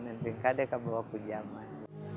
dan singkade kabawaku jaman